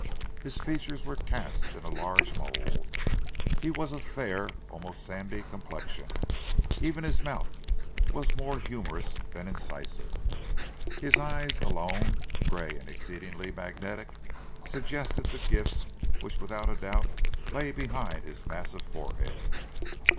His features were cast in a large mould, he was of fair, almost sandy complexion, even his mouth was more humourous than incisive. His eyes alone, grey and exceedingly magnetic, suggested the gifts which without a doubt lay behind his massive forehead.